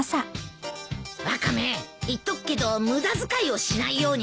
ワカメ言っとくけど無駄遣いをしないようにね。